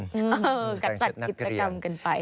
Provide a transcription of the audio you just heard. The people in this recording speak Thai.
เออแต่งชุดนักเรียนกับจักรกิจกรรมกันไป